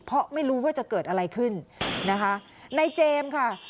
เพราะไม่รู้ว่าจะเกิดอะไรขึ้นนะคะในเจมส์ค่ะ